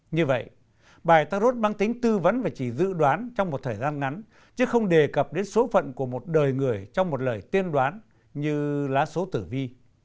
như vậy bài tarot mang tính tư vấn và chỉ dự đoán trong một thời gian ngắn chứ không đề cập đến số phận của một đời người trong một lời tiên đoán như lá số tử vi